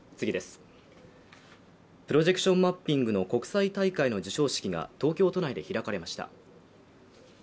プロジェクションマッピングの国際大会の授賞式が東京都内で開かれました。